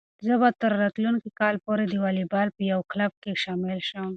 زه به تر راتلونکي کال پورې د واليبال په یو کلب کې شامل شم.